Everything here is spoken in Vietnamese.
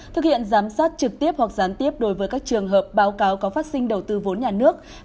thực hiện giám sát trực tiếp hoặc gián tiếp đối với các trường hợp báo cáo có phát sinh đầu tư vốn nhà nước